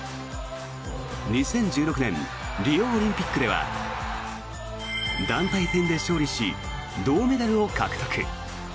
２０１６年リオオリンピックでは団体戦で勝利し銅メダルを獲得。